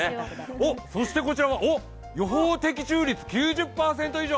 おっ、そしてこちらは「予報適中率９０％以上」！